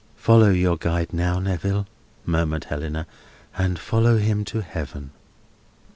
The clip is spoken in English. "Follow your guide now, Neville," murmured Helena, "and follow him to Heaven!"